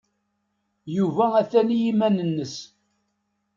Yuba atan i yiman-nnes.